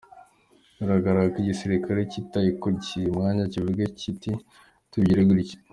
Bigaragara ko igisirikare kiticaye ngo kibihe umwanya kivuge kiti tubigire gutya.